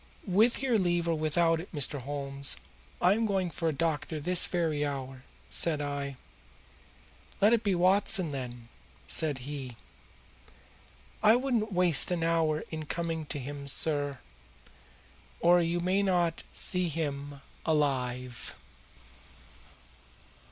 'With your leave or without it, Mr. Holmes, I am going for a doctor this very hour,' said I. 'Let it be Watson, then,' said he. I wouldn't waste an hour in coming to him, sir, or you may not see him alive."